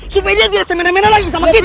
supaya dia tidak semene mene lagi sama kita